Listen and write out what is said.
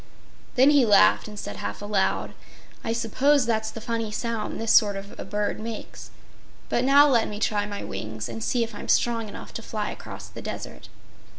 Then he laughed and said half aloud: "I suppose that's the funny sound this sort of a bird makes. But now let me try my wings and see if I'm strong enough to fly across the desert."